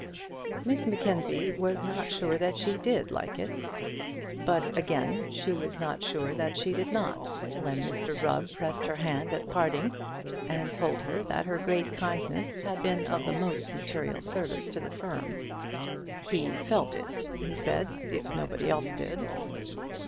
Miss Mackenzie was not sure that she did like it. But again she was not sure that she did not, when Mr Rubb pressed her hand at parting, and told her that her great kindness had been of the most material service to the firm. "He felt it," he said, "if nobody else did."